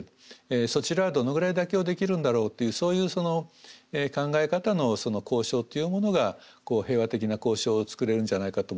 そちらはどのぐらい妥協できるんだろうというそういう考え方の交渉っていうものが平和的な交渉をつくれるんじゃないかと思うんですね。